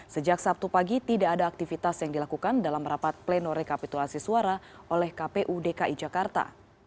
sejak sabtu pagi tidak ada aktivitas yang dilakukan dalam rapat pleno rekapitulasi suara oleh kpu dki jakarta